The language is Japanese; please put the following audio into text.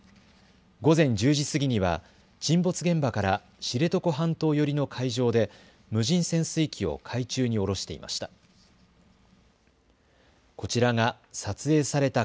午前１０時過ぎには沈没現場から知床半島寄りの海上で無人潜水機を海中に下ろしていました。